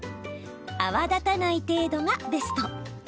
泡立たない程度がベスト。